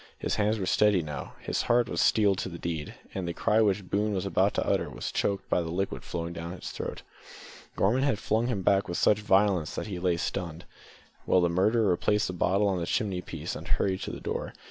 His hands were steady now! His heart was steeled to the deed, and the cry which Boone was about to utter was choked by the liquid flowing down his throat. Gorman had flung him back with such violence that he lay stunned, while the murderer replaced the bottle on the chimney piece and hurried to the door.